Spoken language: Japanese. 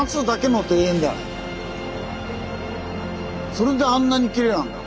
それであんなにきれいなんだ。